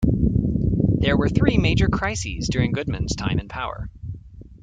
There were three major crises during Goodman's time in power.